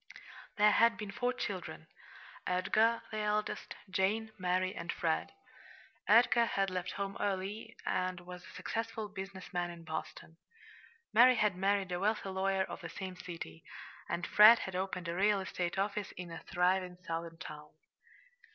There had been four children: Edgar, the eldest; Jane, Mary, and Fred. Edgar had left home early, and was a successful business man in Boston. Mary had married a wealthy lawyer of the same city; and Fred had opened a real estate office in a thriving Southern town.